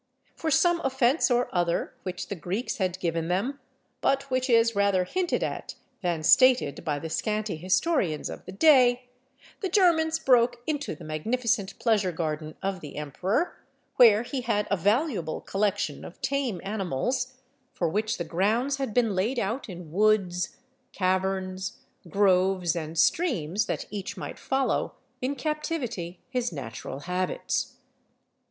For some offence or other which the Greeks had given them, but which is rather hinted at than stated by the scanty historians of the day, the Germans broke into the magnificent pleasure garden of the emperor, where he had a valuable collection of tame animals, for which the grounds had been laid out in woods, caverns, groves, and streams, that each might follow in captivity his natural habits.